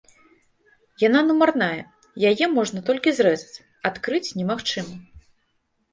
Яна нумарная, яе можна толькі зрэзаць, адкрыць немагчыма.